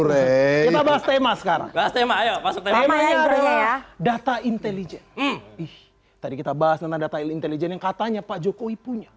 rey tema tema ayo masuk temanya data intelijen ih tadi kita bahas tentang data intelijen yang katanya pak joko ibu yang menang juga kan